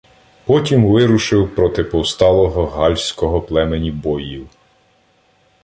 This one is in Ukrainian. Потім вирушив проти повсталого галльського племені бойїв.